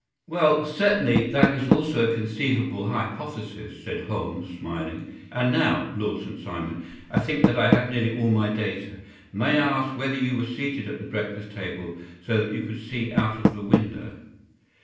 ” “Well, certainly that is also a conceivable hypothesis,” said Holmes, smiling. “And now, Lord St. Simon, I think that I have nearly all my data. May I ask whether you were seated at the breakfast table so that you could see out of the window?